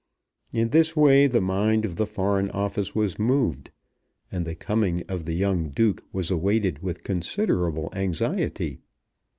In this way the mind of the Foreign Office was moved, and the coming of the young duke was awaited with considerable anxiety.